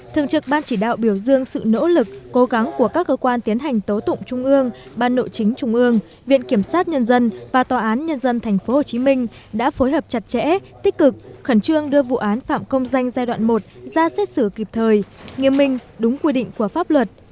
thường trực ban chỉ đạo biểu dương sự nỗ lực cố gắng của các cơ quan tiến hành tố tụng trung ương ban nội chính trung ương viện kiểm sát nhân dân và tòa án nhân dân tp hcm đã phối hợp chặt chẽ tích cực khẩn trương đưa vụ án phạm công danh giai đoạn một ra xét xử kịp thời nghiêm minh đúng quy định của pháp luật